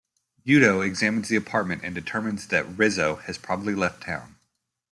Udo examines the apartment and determines that Rizzo has probably left town.